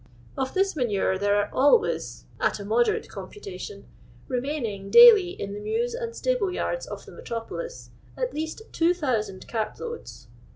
•• Uf this manure there are always (at a mode rate coniputaiion) rciuaining daily, in the mews and stiihle yards of the metropolis, at least 2u00 cart loads.